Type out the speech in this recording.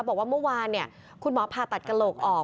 บอกว่าเมื่อวานคุณหมอผ่าตัดกระโหลกออก